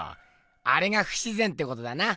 あれがふしぜんってことだな。